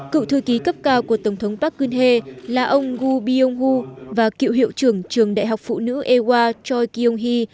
cựu thư ký cấp cao của tổng thống park geun hye là ông gu byung ho và cựu hiệu trưởng trường đại học phụ nữ ewa choi kyung hee